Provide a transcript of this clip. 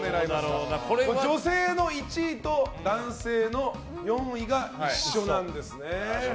女性の１位と男性の４位が一緒なんですね。